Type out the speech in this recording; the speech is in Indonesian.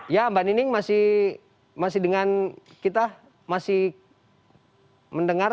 ya mbak nining masih dengan kita masih mendengar